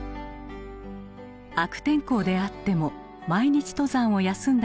悪天候であっても毎日登山を休んだ